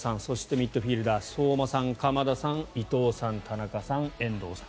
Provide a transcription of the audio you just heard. ミッドフィールダーが相馬さん、鎌田さん伊東さん、田中さん、遠藤さん